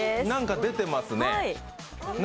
何か出てますね。